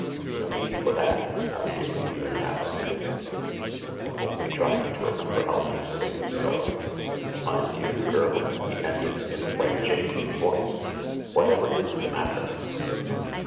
"No need for that— I'll give it you in half a minute, I'm only trying to remember how these things go. My dear girl," he ended, in a quite changed voice, " whatever is the matter